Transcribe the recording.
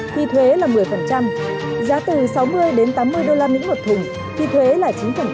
thì thuế là một mươi giá từ sáu mươi đến tám mươi đô la mỹ một thùng thì thuế là chín